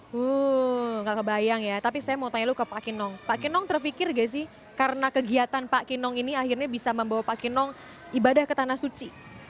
wuuh nggak kebayang ya tapi saya mau tanya lu ke pak kinong pak kinong terpikir nggak sih karena kegiatan pak kinong ini akhirnya bisa membawa pak kinong ibadah ke tanah suci